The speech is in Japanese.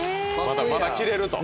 まだまだ着れると。